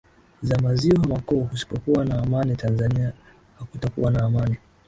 za maziwa makuu kusipokuwa na amani tanzania hakutakuwa na amani